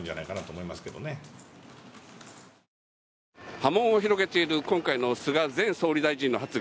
波紋を広げている今回の菅前総理大臣の発言。